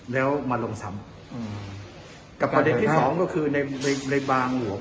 แล้วมาลงซ้ำอืมกับประเด็นที่สองก็คือในในบางหลวง